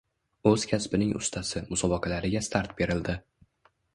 “O‘z kasbining ustasi” musobaqalariga start berildi